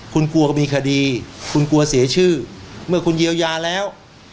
คุณกลัวก็มีคดีคุณกลัวเสียชื่อเมื่อคุณเยียวยาแล้ว